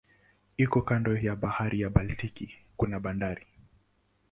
Iko kando ya bahari ya Baltiki kuna bandari.